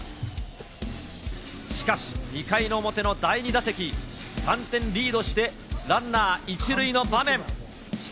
しかし、２回の表の第２打席、３点リードしてランナー１塁の場面。